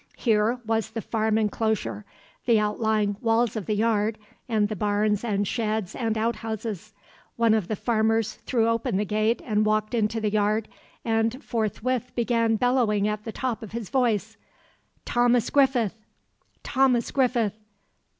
Here was the farm enclosure; the outlying walls of the yard and the barns and sheds and outhouses. One of the farmers threw open the gate and walked into the yard, and forthwith began bellowing at the top of his voice: "Thomas Griffith! Thomas Griffith!